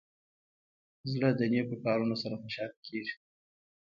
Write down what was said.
زړه د نیکو کارونو سره خوشحاله کېږي.